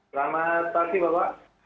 selamat pagi bapak